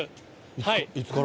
いつから？